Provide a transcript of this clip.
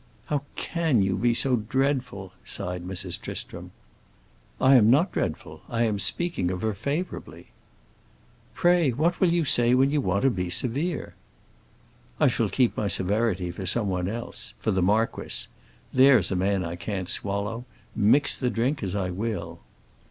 "How can you be so dreadful?" sighed Mrs. Tristram. "I am not dreadful. I am speaking of her favorably." "Pray what will you say when you want to be severe?" "I shall keep my severity for someone else—for the marquis. There's a man I can't swallow, mix the drink as I will."